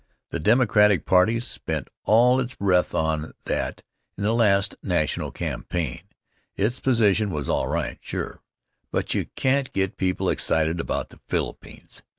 The Democratic party spent all its breath on that in the last national campaign. Its position was all right, sure, but you can't get people excited about the Philippines.